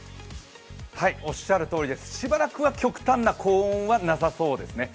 はい、おっしゃるとおりですしばらくは極端な高温はなさそうですね。